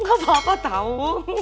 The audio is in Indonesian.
gak papa tau